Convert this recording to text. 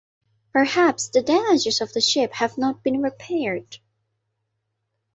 Perhaps the damages of the ship have not been repaired.